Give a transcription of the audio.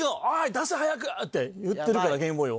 出せ早く！」って言ってるからゲームボーイを。